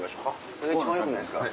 それ一番よくないですか？